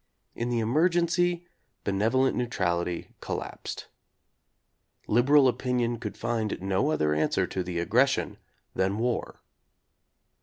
In the emergency be nevolent neutrality collapsed. Liberal opinion could find no other answer to the aggression than war.